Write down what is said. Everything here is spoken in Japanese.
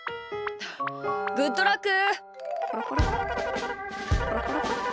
グッドラック！